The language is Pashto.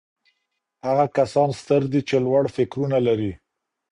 هغه کسان ستر دي چي لوړ فکرونه لري.